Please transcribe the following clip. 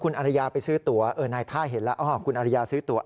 คุณอริยาไปซื้อตัวนายท่าเห็นแล้วคุณอริยาซื้อตัว